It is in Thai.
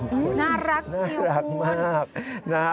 น่ารักใช่ไหมน่ารักมาก